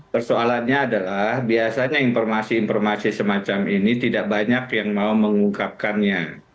persoalannya adalah biasanya informasi informasi semacam ini tidak banyak yang mau mengungkapkannya